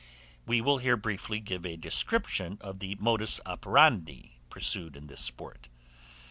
We will here briefly give a description of the modus operandi pursued in this sport.